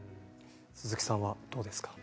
鈴木さんはどうですか？